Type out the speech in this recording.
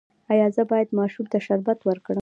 ایا زه باید ماشوم ته شربت ورکړم؟